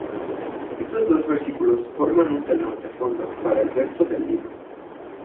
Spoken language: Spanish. Estos dos versículos forman un telón de fondo para el resto del libro.